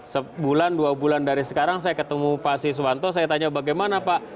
sebulan dua bulan dari sekarang saya ketemu pak siswanto saya tanya bagaimana pak